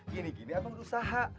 gini gini abang berusaha